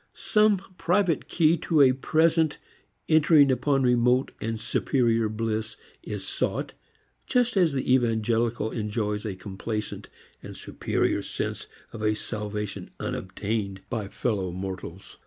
Some private key to a present entering upon remote and superior bliss is sought, just as the evangelical enjoys a complacent and superior sense of a salvation unobtained by fellow mortals.